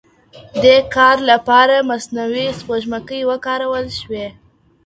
دې کار لپاره مصنوعي سپوږمکۍ وکارول شوې.